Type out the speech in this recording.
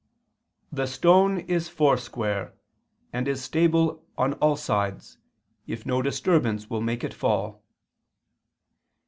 "The stone is foursquare, and is stable on all sides, if no disturbance will make it fall."